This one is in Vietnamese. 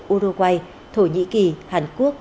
uruguay thổ nhĩ kỳ hàn quốc